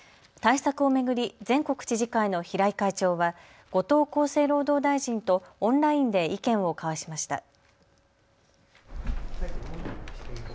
対策を巡り全国知事会の平井会長は後藤厚生労働大臣とオンラインで意見を交わしました。